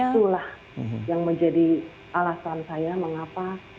itulah yang menjadi alasan saya mengapa